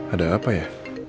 ada apa ya